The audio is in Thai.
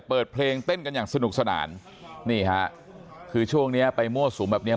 เปิดเพลงเต้นกันอย่างสนุกสนานนี่ฮะคือช่วงเนี้ยไปมั่วสุมแบบเนี้ย